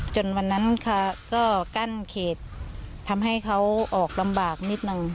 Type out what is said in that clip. วันนั้นค่ะก็กั้นเขตทำให้เขาออกลำบากนิดนึง